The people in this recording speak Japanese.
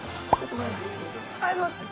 ありがとうございます。